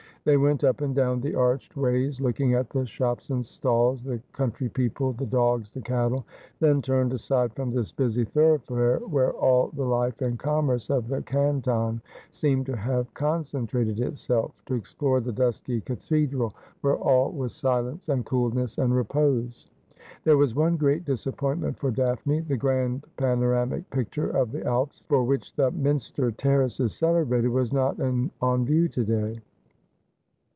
They went up and down the arched ways, looking at the shops and stalls, the country people, the dogs, the cattle ; then turned aside from this busy thoroughfare, where all the life and commerce of the canton seemed to have concen trated itself, to explore the dusky cathedral, where all was silence, and coolness, and repose. There was one great disap pointment for Daphne. The grand panoramic picture of the Alps, for which the minster terrace is celebrated, was not on view to day.